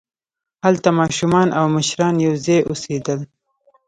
هلته ماشومان او مشران یوځای اوسېدل.